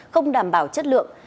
không đảm bảo chất lượng